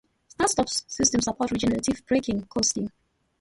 Start-stop system supports regenerative braking, coasting.